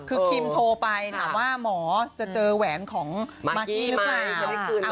คือคิมโทรไปถามว่าหมอจะเจอแหวนของมากกี้หรือเปล่า